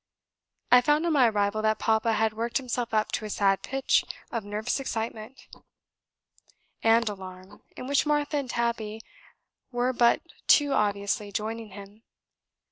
I found, on my arrival, that Papa had worked himself up to a sad pitch of nervous excitement and alarm, in which Martha and Tabby were but too obviously joining him.